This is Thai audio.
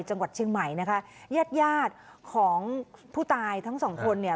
จังหวัดเชียงใหม่นะคะญาติญาติของผู้ตายทั้งสองคนเนี่ย